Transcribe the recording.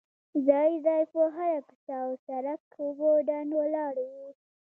ځای ځای په هره کوڅه او سړ ک اوبه ډنډ ولاړې وې.